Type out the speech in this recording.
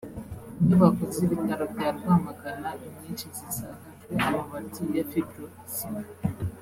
Inyubako z’ibitaro bya Rwamagana inyinshi zisakajwe amabati ya Fibro Ciment